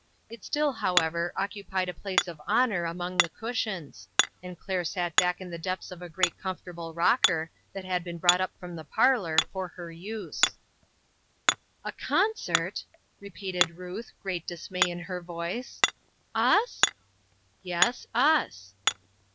It still, however, occupied a place of honor among the cushions, and Claire sat back in the depths of a great comfortable rocker that had been brought from the parlor for her use. " A concert !" repeated Ruth, great dismay in her voice, " us ?" "Yes, us."